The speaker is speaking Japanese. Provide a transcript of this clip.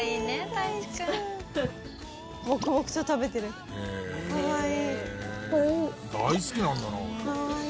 大好きなんだな。